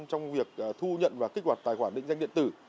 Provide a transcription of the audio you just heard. trong việc thu nhận và kích hoạt tài khoản định danh điện tử